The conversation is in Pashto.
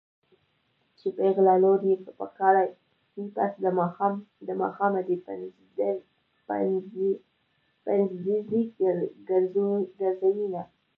چې پېغله لور يې په کاله وي پس د ماښامه دې پنځډزی ګرځوينه